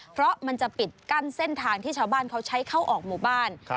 เพราะมันจะปิดกั้นเส้นทางที่ชาวบ้านเขาใช้เข้าออกหมู่บ้าน